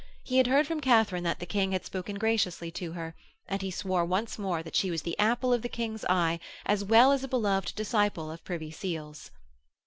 He had heard from Katharine that the King had spoken graciously to her, and he swore once more that she was the apple of the King's eye, as well as a beloved disciple of Privy Seal's.